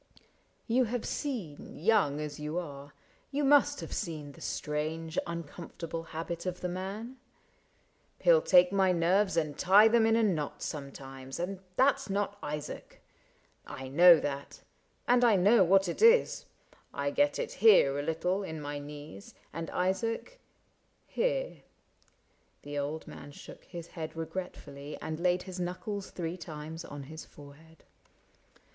You have seen — Young as you are, you must have seen the strange Uncomfortable habit of the man ? He '11 take my nerves and tie them in a knot Sometimes, and that 's not Isaac. I know that — And I know what it is : I get it here A little, in my knees, and Isaac — here." The old man shook his head regretfully And laid his knuckles three times on his fore head.